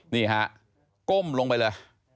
นี่ฮะก้มลงไปเลย